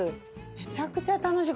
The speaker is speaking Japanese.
めちゃくちゃ楽しい。